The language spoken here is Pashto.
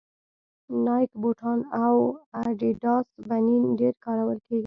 نایک بوټان او اډیډاس بنېن ډېر کارول کېږي